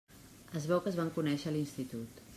Es veu que es van conèixer a l'institut.